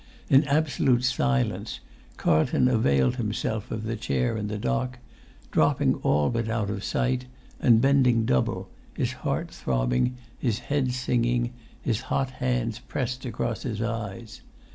In absolute silence Carlton availed himself of the chair in the dock, dropping all but out of sight, and bending double, his heart throbbing, his head singing, his hot hands pressed across his eyes.